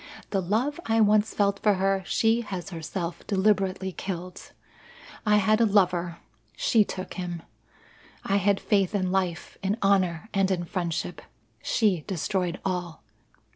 The love I once felt for her she has herself deliberately killed. I had a lover she took him. I had faith in life, in honour, and in friendship. She destroyed all.